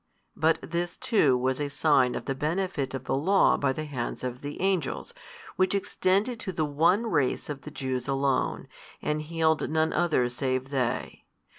But this too was a sign of the benefit of the law by the hands of Angels, which extended to the one race of the Jews alone, and healed none other save they.